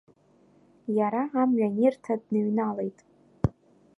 Иара, амҩа анирҭа, дныҩналеит.